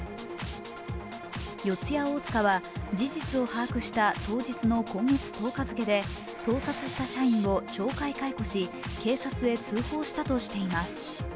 四谷大塚は事実を把握した当日の今月１０日付で盗撮した社員を懲戒解雇し警察へ通報したとしています。